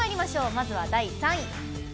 まずは、第３位。